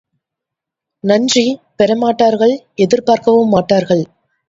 நன்றி பெறமாட்டார்கள் எதிர்பார்க்கவும் மாட்டார்கள்.